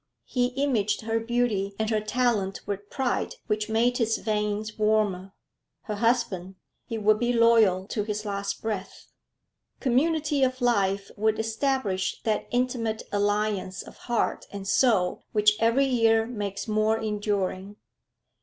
He imaged her beauty and her talent with pride which made his veins warmer. Her husband, he would be loyal to his last breath. Community of life would establish that intimate alliance of heart and soul which every year makes more enduring.